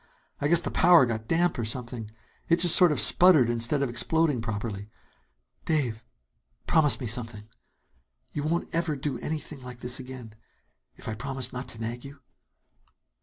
I guess the powder got damp or something. It just sort of sputtered instead of exploding properly. Dave, promise me something! You won't ever do anything like this again, if I promise not to nag you?"